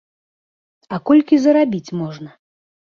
А колькі зарабіць можна?